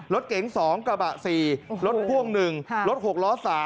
รถเก๋ง๒กระบะ๔รถพ่วง๑รถ๖ล้อ๓